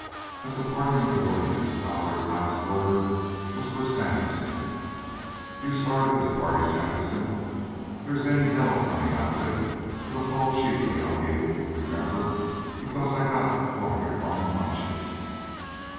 At the parting of the ways Lowrie's last word was for Sandersen. "You started this party, Sandersen. If they's any hell coming out of it, it'll fall chiefly on you. Remember, because I got one of your own hunches!"